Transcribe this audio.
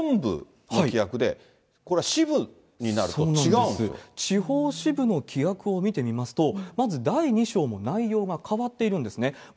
ただこれ、本部の規約で、地方支部の規約を見てみますと、まず第２章も内容が変わっているんですね。